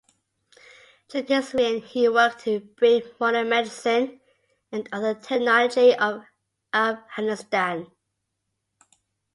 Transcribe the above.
During his reign he worked to bring modern medicine and other technology to Afghanistan.